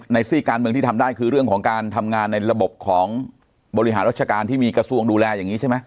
ซี่การเมืองที่ทำได้คือเรื่องของการทำงานในระบบของบริหารราชการที่มีกระทรวงดูแลอย่างนี้ใช่ไหม